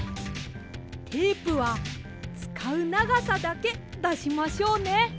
テープはつかうながさだけだしましょうね。